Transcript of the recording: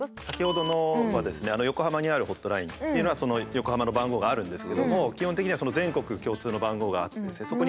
先ほどのはですね横浜にあるホットラインっていうのはその横浜の番号があるんですけども基本的には全国共通の番号があってですね